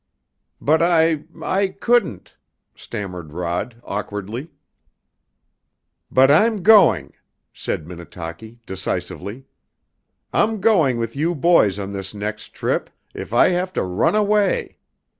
"But I I couldn't!" stammered Rod awkwardly. "But I'm going!" said Minnetaki decisively. "I'm going with you boys on this next trip if I have to run away!